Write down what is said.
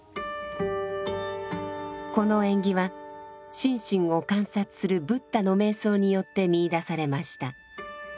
この縁起は心身を観察するブッダの瞑想によって見いだされました。